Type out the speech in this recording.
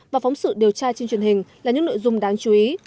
và phóng sự điều tra trên truyền hình là những nội dung đáng chú ý